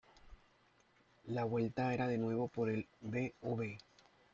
La vuelta era de nuevo por el Bv.